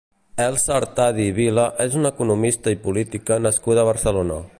Elsa Artadi i Vila és una economista i política nascuda a Barcelona.